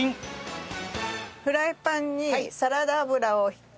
フライパンにサラダ油を引き。